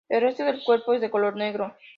El resto del cuerpo es de color negro.